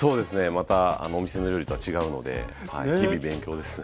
またお店の料理とは違うので日々勉強ですね。